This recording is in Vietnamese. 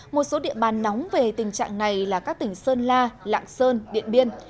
một số địa bàn nóng về tình trạng này là các tỉnh sơn la lạng sơn điện biên